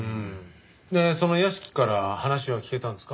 でその屋敷から話は聞けたんですか？